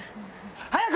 早く！